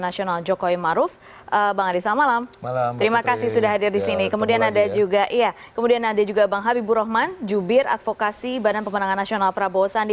ada juga bang habibur rahman jubir advokasi badan pemenangan nasional prabowo sandi